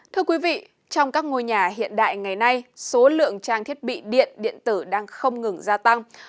thưa quý vị trong các ngôi nhà hiện đại ngày nay số lượng trang thiết bị điện điện tử đang không ngừng gia tăng